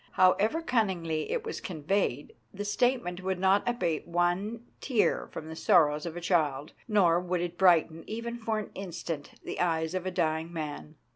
However cunningly it was conveyed, the statement would not abate one tear from the sorrows of a child, nor would it brighten, even for an instant, the eyes of a dying man.